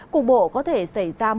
cục bộ có thể xảy ra mưa rông